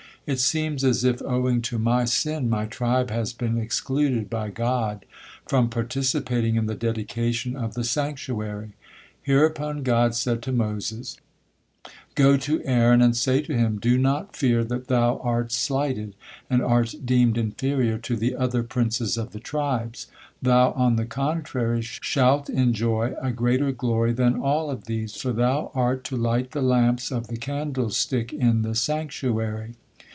It seems as if, owing to my sin, my tribe has been excluded by God from participating in the dedication of the sanctuary." Hereupon God said to Moses: "Go to Aaron and say to him, 'Do not fear that thou art slighted, and art deemed inferior to the other princes of the tribes. Thou, on the contrary, shalt enjoy a greater glory than all of these, for thou art to light the lamps of the candlestick in the sanctuary.'"